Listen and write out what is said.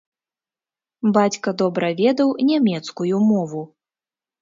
Бацька добра ведаў нямецкую мову.